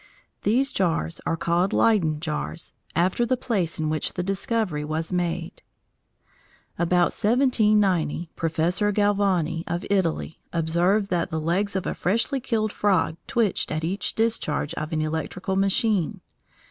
These jars are called Leyden jars, after the place in which the discovery was made. About 1790, Professor Galvani, of Italy, observed that the legs of a freshly killed frog twitched at each discharge of an electrical machine.